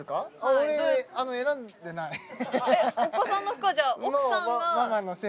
俺お子さんの服はじゃあ奥さんが？